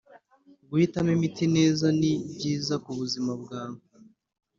guhitamo imiti neza ni byiza ku buzima bwawe.